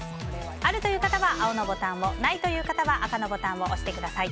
あるという方は青のボタンをないという方は赤のボタンを押してください。